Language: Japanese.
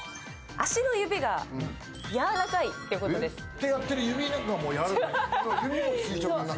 足の指がやわらかいってことです。